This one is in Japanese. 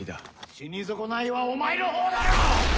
死に損ないはお前のほうだろ！